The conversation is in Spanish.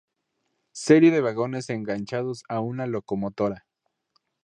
Serie de vagones enganchados a una locomotora.